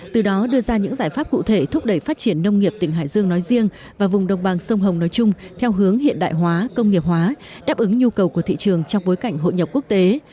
từ đó đưa ra những giải pháp cụ thể thúc đẩy phát triển nông nghiệp tỉnh hải dương nói riêng và vùng đồng bằng sông hồng nói chung theo hướng hiện đại hóa công nghiệp hóa đáp ứng nhu cầu của thị trường trong bối cảnh hội nhập quốc tế